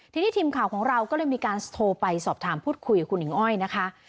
ทีนี้ทีมข่าวของเราก็เลยมีการโทรไปสอบถามพูดคุยกับคุณหญิงอ้อยนะคะ